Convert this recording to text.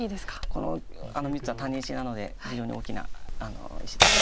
この３つはタネ石なので非常に大きな石です。